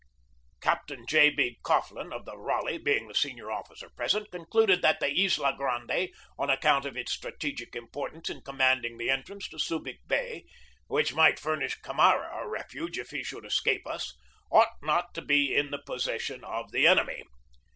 Captain J. B. Coghlan, of the Raleigh, being the senior officer present, concluded that Isla Grande, on account of its strategic importance in commanding the entrance to Subig Bay (which might furnish A PERIOD OF ANXIETY 265 Camara a refuge if he should escape us), ought not to be in the possession of the enemy.